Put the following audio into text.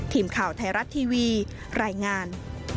ทีมข่าวไทยรัฐทีวีรายงาน